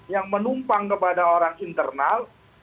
yang menumpang kepada orang internal